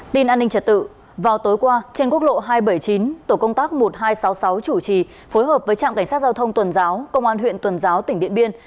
tin an ninh trật tự vào tối qua trên quốc lộ hai trăm bảy mươi chín tổ công tác một nghìn hai trăm sáu mươi sáu chủ trì phối hợp với trạm cảnh sát giao thông tuần giáo công an huyện tuần giáo tỉnh điện biên